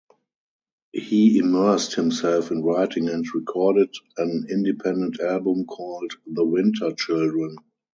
He immersed himself in writing and recorded an independent album called "The Winter Children".